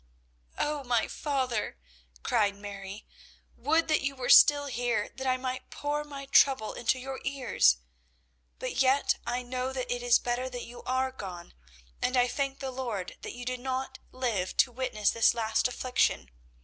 "Oh, my father," cried Mary, "would that you were still here, that I might pour my trouble into your ears! But yet I know that it is better that you are gone, and I thank the Lord that you did not live to witness this last affliction.